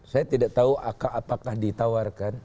saya tidak tahu apakah ditawarkan